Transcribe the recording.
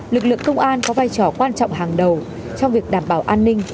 lực lượng công an có vai trò quan trọng hàng đầu trong việc đảm bảo an ninh